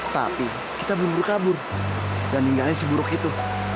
tapi kita belum berkabur dan ninggalin si buruk itu